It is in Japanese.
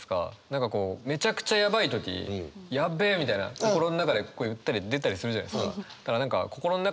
何かこうめちゃくちゃやばい時やべえみたいな心の中で言ったり出たりするじゃないですか。